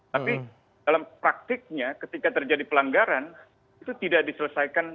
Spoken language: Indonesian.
tapi dalam praktiknya ketika terjadi pelanggaran itu tidak diselesaikan